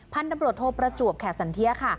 ตำรวจโทประจวบแขกสันเทียค่ะ